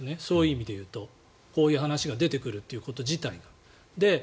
そういう意味で言うとこういう話が出てくるということ自体が。